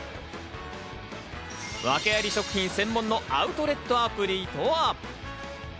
訳あり食品専門のアウトレットアプリとは？